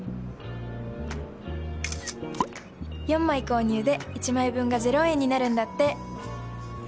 ４枚購入で１枚分が０円になるんだって。